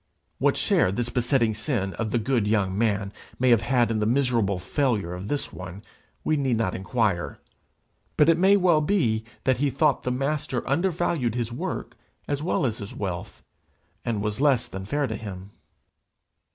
What share this besetting sin of the good young man may have had in the miserable failure of this one, we need not inquire; but it may well be that he thought the Master under valued his work as well as his wealth, and was less than fair to him.